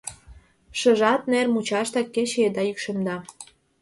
Шыжат нер мучаштак, кече еда йӱкшемда...